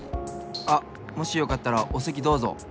あっもしよかったらおせきどうぞ。